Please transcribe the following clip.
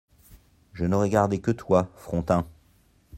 Je n’aurais gardé que toi, Frontin.